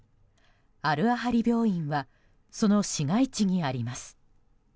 アル・アハリ病院はその市街地にあります。